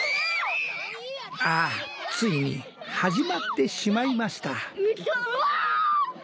ああついに始まってしまいました。